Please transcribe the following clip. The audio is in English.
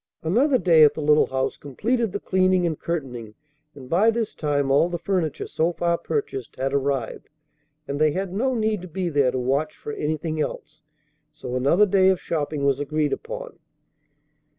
Another day at the little house completed the cleaning and curtaining, and by this time all the furniture so far purchased had arrived, and they had no need to be there to watch for anything else; so another day of shopping was agreed upon.